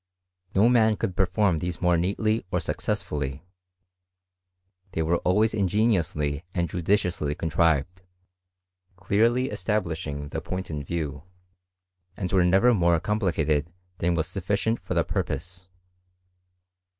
No man could perform these more neatly or successfully ; they were always ingeniously and judiciously contrived, clearly establishing the point in view, and were never more complicated than was sufficient for the purpose.